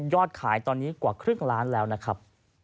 ยอดขายตอนนี้กว่าครึ่งล้านแล้วนะครับ